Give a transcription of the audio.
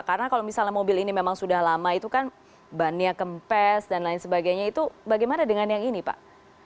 karena kalau misalnya mobil ini memang sudah lama itu kan bannya kempes dan lain sebagainya itu bagaimana dengan yang ini pak